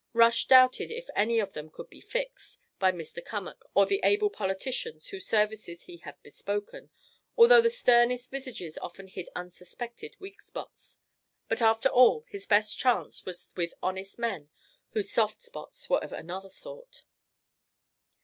Rush doubted if any of them could be "fixed" by Mr. Cummack or the able politicians whose services he had bespoken, although the sternest visages often hid unsuspected weak spots; but after all his best chance was with honest men whose soft spots were of another sort.